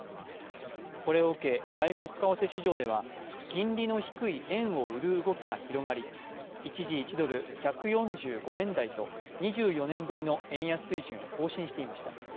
これを受け、外国為替市場では金利の低い円を売る動きが広がり一時１ドル＝１４５円台と２４年ぶりの円安水準を更新していました。